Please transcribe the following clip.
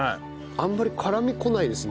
あんまり辛みこないですね。